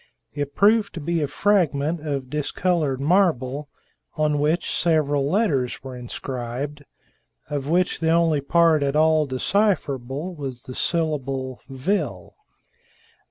It proved to be a fragment of dis colored marble, on which several letters were inscribed, of which the only part at all decipherable was the syllable "Vil."